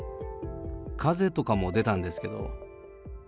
風とかも出たんですけど。